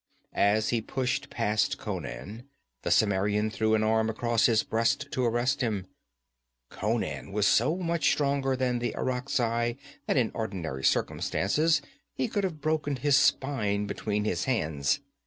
As he pushed past Conan, the Cimmerian threw an arm across his breast to arrest him. Conan was so much stronger than the Irakzai that in ordinary circumstances he could have broken his spine between his hands.